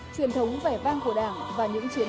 truyền thống vẻ vang của đảng và những chiến